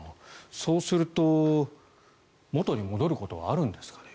そうすると元に戻ることはあるんですかね。